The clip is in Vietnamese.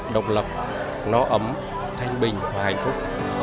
độc lập nó ấm thanh bình và hạnh phúc